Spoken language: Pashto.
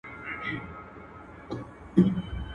پر مُلا ئې يو چو دئ، جوړول ئې پر خداىدي.